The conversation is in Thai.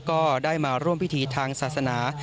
ก็ได้มาร่วมพิธีทางศาสนา